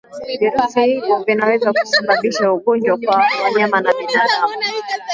Virusi ivyo vinaweza kusababisha ugonjwa kwa wanyama na binadamu